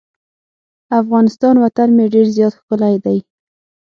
افغانستان وطن مې ډیر زیات ښکلی دی.